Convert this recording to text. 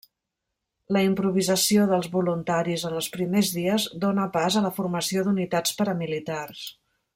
La improvisació dels voluntaris en els primers dies dóna pas a la formació d'unitats paramilitars.